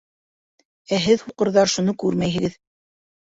Ә һеҙ, һуҡырҙар, шуны күрмәйһегеҙ.